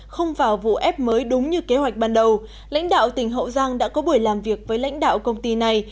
không vào vụ ép mới đúng như kế hoạch ban đầu lãnh đạo tỉnh hậu giang đã có buổi làm việc với lãnh đạo công ty này